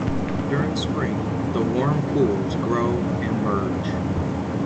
During spring, the warm pools grow and merge.